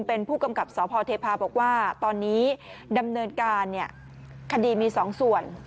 เป็นผู้กำกับสพเทพาบอกว่าตอนนี้ดำเนินการคดีมี๒ส่วน